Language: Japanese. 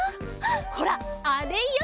ほらあれよ。